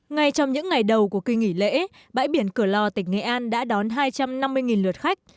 ngay trong những ngày đầu của kỳ nghỉ lễ bãi biển cửa lò tỉnh nghệ an đã đón hai trăm năm mươi lượt khách